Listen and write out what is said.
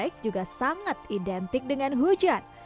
baik juga sangat identik dengan hujan